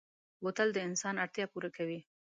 بوتل د انسان اړتیا پوره کوي.